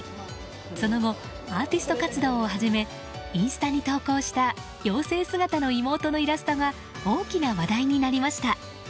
その後、アーティスト活動を始めインスタに投稿した妖精姿の妹のイラストが大きな話題になりました。